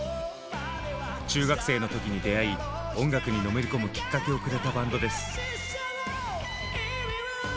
中学生の時に出会い音楽にのめり込むきっかけをくれたバンドです。